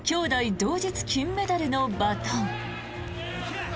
同日金メダルのバトン。